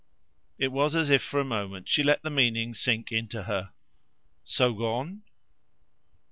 It was as if for a moment she let the meaning sink into her. "So gone?"